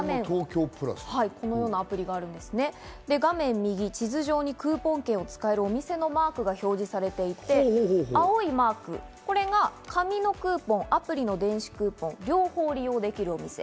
ダウンロードしますと画面右、地図上にクーポン券が使えるお店のマークが表示されていて青いマーク、これが紙のクーポン、アプリの電子クーポン、両方利用できる店。